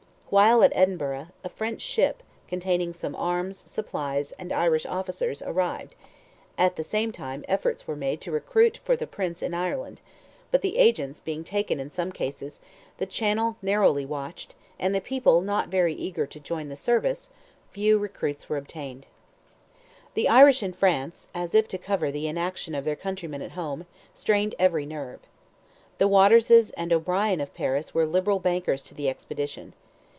While at Edinburgh, a French ship, containing some arms, supplies, and "Irish officers," arrived; at the same time efforts were made to recruit for the prince in Ireland; but the agents being taken in some cases, the channel narrowly watched, and the people not very eager to join the service, few recruits were obtained. The Irish in France, as if to cover the inaction of their countrymen at home, strained every nerve. The Waterses and O'Brien of Paris were liberal bankers to the expedition.